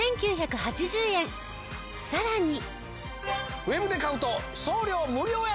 さらに。